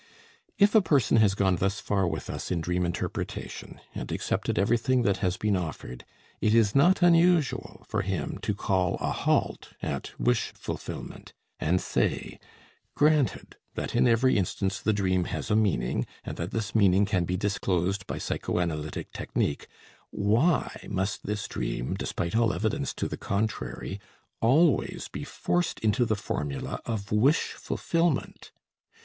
If a person has gone thus far with us in dream interpretation, and accepted everything that has been offered, it is not unusual for him to call a halt at wish fulfillment, and say, "Granted that in every instance the dream has a meaning, and that this meaning can be disclosed by psychoanalytic technique, why must this dream, despite all evidence to the contrary, always be forced into the formula of wish fulfillment?